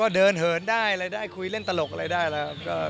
เดินเหินได้อะไรได้คุยเล่นตลกอะไรได้แล้วครับ